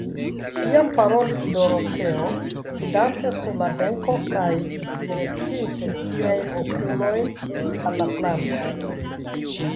Iam parolis Doroteo, sidante sur la benko kaj direktinte siajn okulojn al la planko.